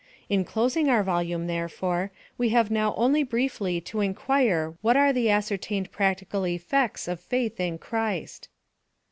In closing our volume, therefore, we have now only briefly to inquire what are the ascertained practical effects of faith in Christ